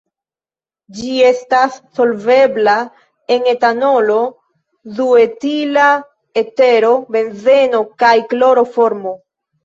Ĝi estas solvebla en etanolo, duetila etero, benzeno kaj kloroformo.